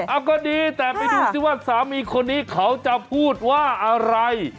เอาก็ดีแต่ไปดูสิว่าสามีคนนี้เขาจะพูดว่าอะไร